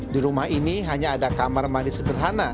di rumah ini hanya ada kamar mandi sederhana